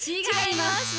違います。